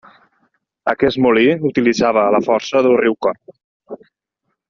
Aquest molí utilitzava la força del riu Corb.